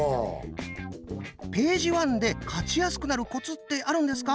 ページワンで勝ちやすくなるコツってあるんですか？